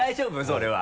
それは。